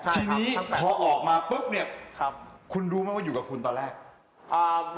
ทีนี้พอออกมาปุ๊บเนี่ยคุณรู้ไหมว่าอยู่กับคุณตอนแรก